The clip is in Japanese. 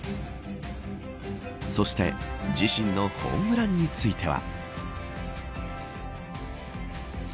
そして自身のホームランについては。